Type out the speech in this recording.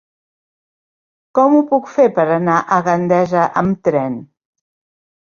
Com ho puc fer per anar a Gandesa amb tren?